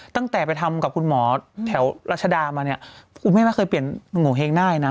ตั้งแต่ไปทำกับคุณหมอแถวรัชดามาเนี่ยคุณแม่ไม่เคยเปลี่ยนโงเห้งได้นะ